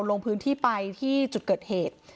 ลงพื้นที่ไปที่จุดเกิดเหตุ